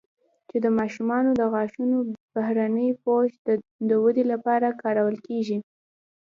چې د ماشومانو د غاښونو بهرني پوښ د ودې لپاره کارول کېږي